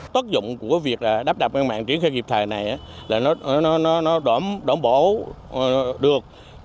tất dụng của việc đắp đập ngăn mặn triển khai kịp thời này là nó đổn bổ được